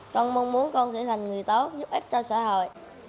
con mong muốn con sẽ là người tốt giúp ích cho xã hội